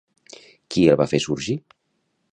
Qui el va fer sorgir?